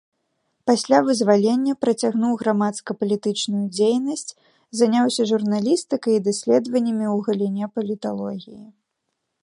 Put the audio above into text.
Пасля вызвалення працягнуў грамадска-палітычную дзейнасць, заняўся журналістыкай і даследваннямі ў галіне паліталогіі.